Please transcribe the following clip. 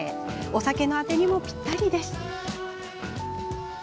お酒のあてにもぴったりです。